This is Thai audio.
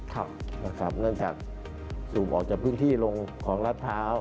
นั่นเเบียบสูบออกจากพื้นที่ของรัฐพราวน์